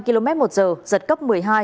giật cấp một mươi một giờ giật cấp một mươi hai